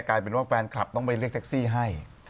กลายเป็นที่แฟนคลับต้องไปเลี้ยงสนุกสัตว์ให้